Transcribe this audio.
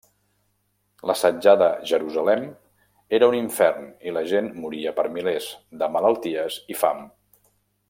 L'assetjada Jerusalem era un infern i la gent moria per milers, de malalties i fam.